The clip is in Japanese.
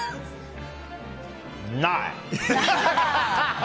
ない！